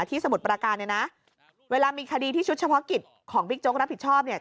สมุทรปราการเนี่ยนะเวลามีคดีที่ชุดเฉพาะกิจของบิ๊กโจ๊กรับผิดชอบเนี่ย